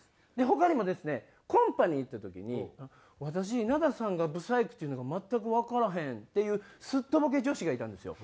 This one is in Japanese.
他にもですねコンパに行った時に「私稲田さんがブサイクっていうのが全くわからへん」っていうすっとぼけ女子がいたんですよ。